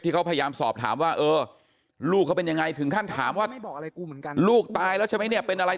เขาพยายามสอบถามว่าเออลูกเขาเป็นยังไงถึงขั้นถามว่าลูกตายแล้วใช่ไหมเนี่ยเป็นอะไร